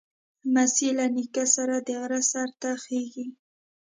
لمسی له نیکه سره د غره سر ته خېږي.